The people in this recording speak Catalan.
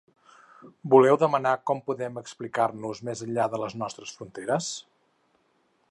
Voleu demanar com podem explicar-nos més enllà de les nostres fronteres?